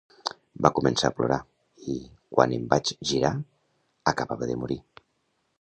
Va començar a plorar i, quan em vaig girar, acabava de morir.